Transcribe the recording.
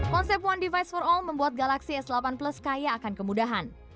konsep one device for all membuat galaxy s delapan plus kaya akan kemudahan